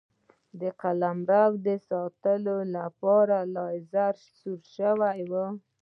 د قلمرو د ساتلو لپاره لېږل سوي وه.